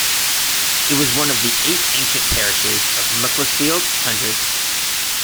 It is one of the eight ancient parishes of Macclesfield Hundred.